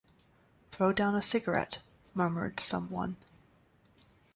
"Throw down a cigarette," murmured some one.